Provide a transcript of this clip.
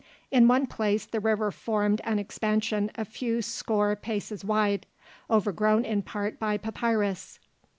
In one place the river formed an expansion a few score paces wide, overgrown in part by papyrus.